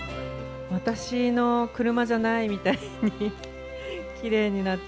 私の車じゃないみたいにきれいになって。